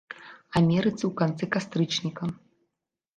Амерыцы ў канцы кастрычніка.